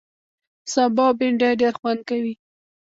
سابه او بېنډۍ ډېر خوند کوي